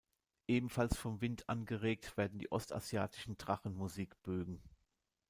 Ebenfalls vom Wind angeregt werden die ostasiatischen Drachen-Musikbögen.